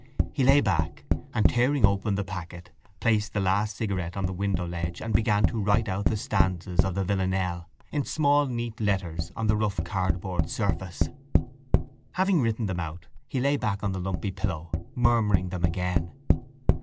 He lay back and, tearing open the packet, placed the last cigarette on the window ledge and began to write out the stanzas of the villanelle in small neat letters on the rough cardboard surface. Having written them out he lay back on the lumpy pillow, murmuring them again.